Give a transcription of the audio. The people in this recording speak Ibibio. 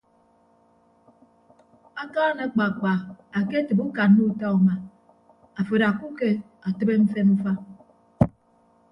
Akaan akpaakpa aketịbe ukanna uta uma afo adakka uke tịbe mfen ufa.